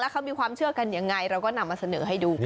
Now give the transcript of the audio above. เขามีความเชื่อกันยังไงเราก็นำมาเสนอให้ดูกัน